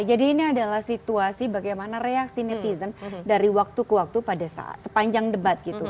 jadi ini adalah situasi bagaimana reaksi netizen dari waktu ke waktu pada sepanjang debat